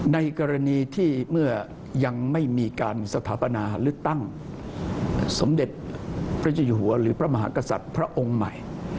ในกรณีที่เมื่อยังไม่มีการสถาปนาเลือกตั้งสมเด็จพระเจ้าอยู่หัวหรือพระมหากษัตริย์พระองค์ใหม่